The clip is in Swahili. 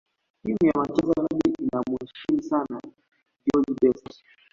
timu ya manchester united inamuheshimu sana george best